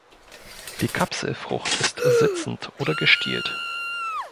Die Kapselfrucht ist sitzend oder gestielt.